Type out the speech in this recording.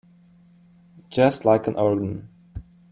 Just like an organ.